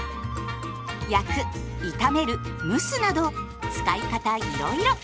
焼く炒める蒸すなど使い方いろいろ。